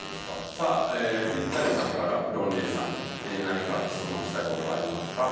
さあピッタリさんからロンリーさんに何か質問したい事ありますか？